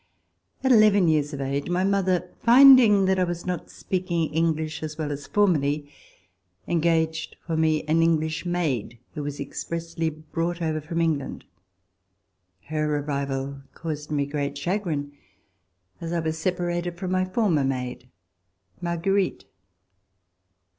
At eleven years of age, my mother, finding that I was not speaking English as well as formerly, engaged for me an English maid who was expressly brought over from England. Her arrival caused me great chagrin, as I was separated from my former maid, Marguerite.